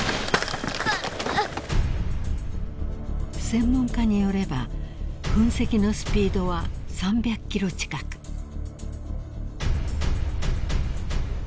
［専門家によれば噴石のスピードは３００キロ近く］あっ！いった。